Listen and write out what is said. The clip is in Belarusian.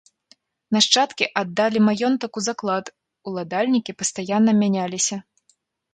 Нашчадкі аддалі маёнтак у заклад, уладальнікі пастаянна мяняліся.